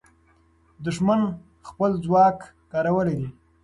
دښمن خپل ځواک کارولی دی.